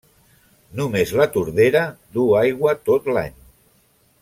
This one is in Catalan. Només la Tordera duu aigua tot l'any.